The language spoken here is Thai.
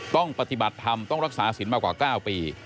ต้องปฏิบัติทำต้องรักษาสินมากกว่า๙ปี